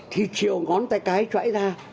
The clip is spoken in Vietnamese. thì chiều ngón tay cái trải ra